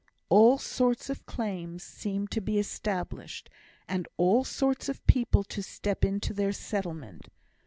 All sorts of claims seemed to be established, and all sorts of people to step in to their settlement.